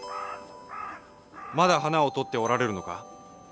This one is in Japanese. まだ花をとっておられるのか？